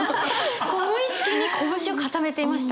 こう無意識に拳を堅めていました。